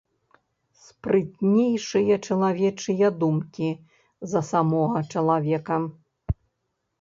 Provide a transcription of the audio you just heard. Спрытнейшыя чалавечыя думкі за самога чалавека.